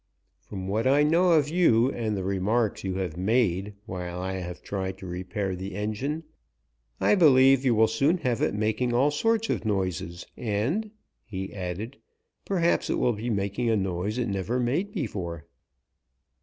From what I know of you and the remarks you have made while I have tried to repair the engine, I believe you will soon have it making all sorts of noises, and," he added, "perhaps it will be making a noise it never made before."